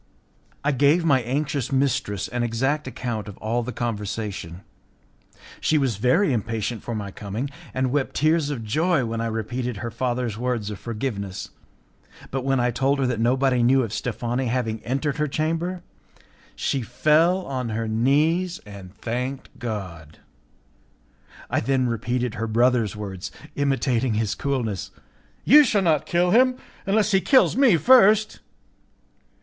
I gave my anxious mistress an exact account of all the conversation. She was very impatient for my coming, and wept tears of joy when I repeated her father's words of forgiveness; but when I told her that nobody knew of Steffani having entered her chamber, she fell on her knees and thanked God. I then repeated her brother's words, imitating his coolness: "You shall not kill him, unless he kills me first."